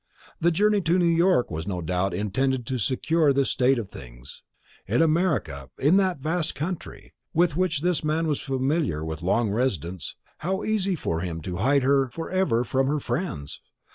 The journey to New York was no doubt intended to secure this state of things. In America, in that vast country, with which this man was familiar with long residence, how easy for him to hide her for ever from her friends!